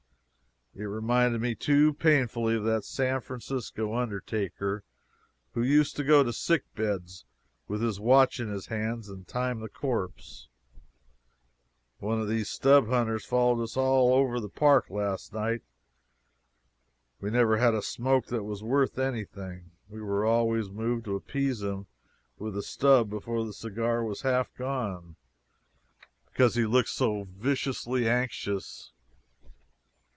It reminded me too painfully of that San Francisco undertaker who used to go to sick beds with his watch in his hand and time the corpse. One of these stub hunters followed us all over the park last night, and we never had a smoke that was worth anything. We were always moved to appease him with the stub before the cigar was half gone, because he looked so viciously anxious.